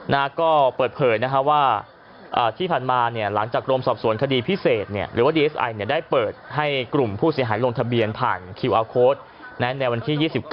นายสมศักดิ์เทพศุถิรภิรภาคธรรมนี้